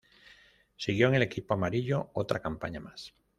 Siguió en el equipo amarillo otra campaña más.